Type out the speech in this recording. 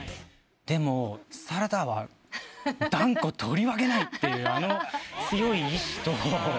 でも「サラダは断固取り分けない」ってあの強い意思と。